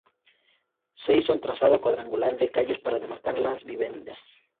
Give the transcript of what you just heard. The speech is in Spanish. Se hizo el trazado cuadrangular de calles para demarcar las viviendas.